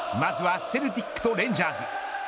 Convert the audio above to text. まずセルティックとレンジャーズ。